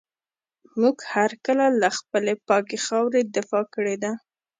موږ هر کله له خپلي پاکي خاوري دفاع کړې ده.